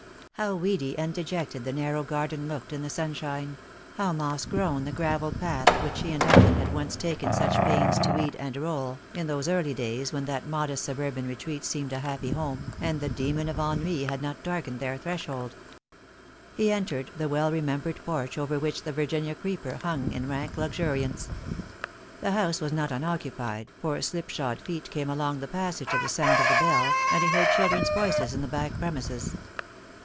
How weedy and dejected the narrow garden looked in the sunshine — how moss grown the gravel path which he and Evelyn had once taken such pains to weed and roll, in those early days when that modest suburban retreat seemed a happy home, and the demon of ennui had not darkened their threshold. He entered the well remembered porch over which the Virginia creeper hung in rank luxuriance. The house was not unoccupied, for slipshod feet came along the passage at the sound of the bell, and he heard children's voices in the back premises.